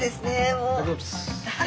もう。